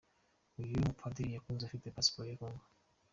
Uyu mupadiri yahunze afite pasiporo ya Congo.